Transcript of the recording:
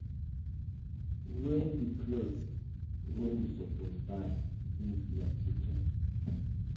Wey di clothe wey yu suppose buy giv yah children?